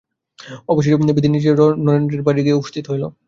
অবশেষে নিধি নিজে নরেন্দ্রের বাড়ি গিয়া উপস্থিত হইল।